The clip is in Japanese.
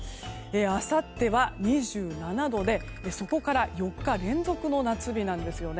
あさっては２７度でそこから４日連続の夏日です。